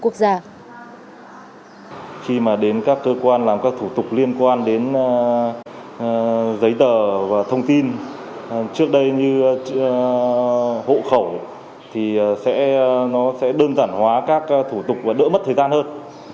các cơ quan làm các thủ tục liên quan đến giấy tờ và thông tin trước đây như hộ khẩu thì nó sẽ đơn giản hóa các thủ tục và đỡ mất thời gian hơn